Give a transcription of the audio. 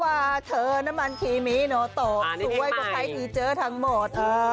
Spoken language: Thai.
ว่าเธอน้ำมันทีมีเนาะโตสวยกว่าใครอีเจอทั้งหมดเออ